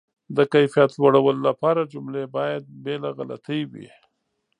د کیفیت لوړولو لپاره، جملې باید بې له غلطۍ وي.